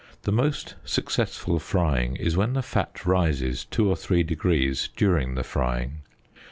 The most successful frying is when the fat rises two or three degrees during the frying.